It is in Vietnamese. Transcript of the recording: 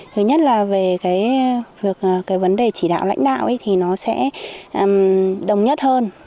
thứ nhất là về cái vấn đề chỉ đạo lãnh đạo thì nó sẽ đồng nhất hơn